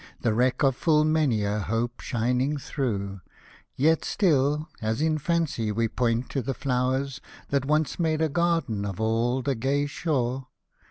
The wreck of full many a hope shining through ; Yet still, as in fancy we point to the flowers, That once made a garden of all the gay shore.